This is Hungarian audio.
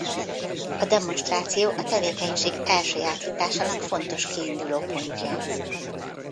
A demonstráció a tevékenység elsajátításának fontos kiindulópontja.